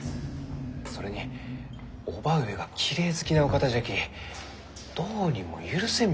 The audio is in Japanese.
それに叔母上がきれい好きなお方じゃきどうにも許せんみたいじゃ。